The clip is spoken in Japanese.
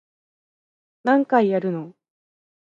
何回やるの